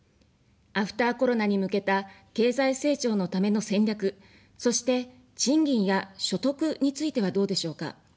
アフターコロナに向けた経済成長のための戦略、そして、賃金や所得についてはどうでしょうか。